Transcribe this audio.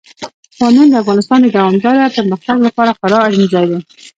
بامیان د افغانستان د دوامداره پرمختګ لپاره خورا اړین ځای دی.